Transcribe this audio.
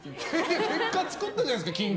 結果、作ったじゃないですか巾着。